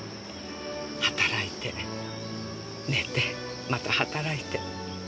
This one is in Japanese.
働いて寝てまた働いて。